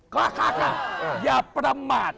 ค่ะค่ะค่ะอย่าประมาท